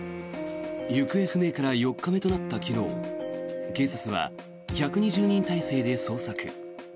行方不明から４日目となった昨日警察は、１２０人態勢で捜索。